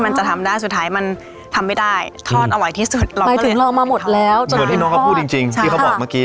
บอกที่น้องเค้าพูดจริงใช่ค่ะ